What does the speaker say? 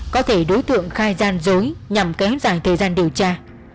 có thể đối tượng khai gian dối nhằm kéo dài thời gian điều tra